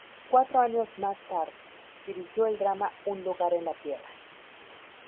Cuatro años más tarde, dirigió el drama "Un lugar en la Tierra".